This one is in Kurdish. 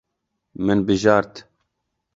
Min bijart.